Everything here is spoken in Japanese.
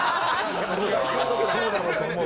そうだろうと思う。